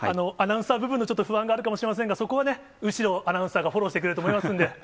アナウンサー部分のちょっと、不安はあるかもしれませんが、そこはね、後呂アナウンサーがフォローしてくださると思いますので。